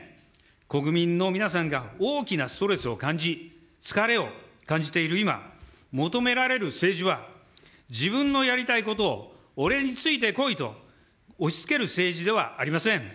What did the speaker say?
国民の皆さんが大きなストレスを感じ、疲れを感じている今、求められる政治は、自分のやりたいことを、俺についてこいと押しつける政治ではありません。